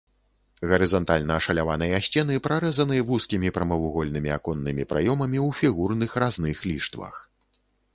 Гарызантальна ашаляваныя сцены прарэзаны вузкімі прамавугольнымі аконнымі праёмамі ў фігурных разных ліштвах.